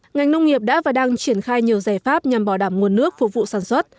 ngành nông nghiệp đã và đang triển khai nhiều giải pháp nhằm bảo đảm nguồn nước phục vụ sản xuất